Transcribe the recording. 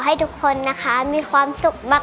คุณแม่รู้สึกยังไงในตัวของกุ้งอิงบ้าง